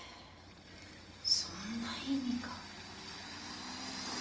そんな意味が。